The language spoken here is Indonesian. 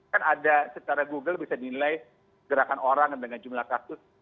kan ada secara google bisa dinilai gerakan orang dengan jumlah kasus